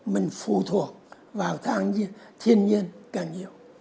mình phụ thuộc vào thiên nhiên càng nhiều